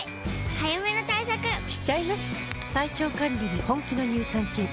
早めの対策しちゃいます。